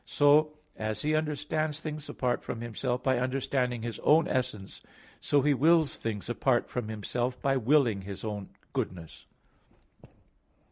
So, as He understands things apart from Himself by understanding His own essence, so He wills things apart from Himself by willing His own goodness.